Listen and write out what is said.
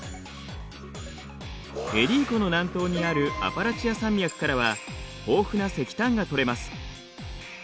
エリー湖の南東にあるアパラチア山脈からは豊富な石炭が採れます。